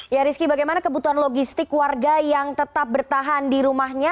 ya rizky bagaimana kebutuhan logistik warga yang tetap bertahan di rumahnya